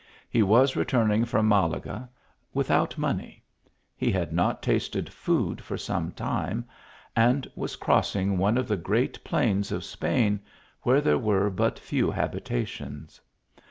He was returning from Malaga, without money ; he had not tasted food for some time, and was crossing one of the great plains of Spain, where there were but few hab itations.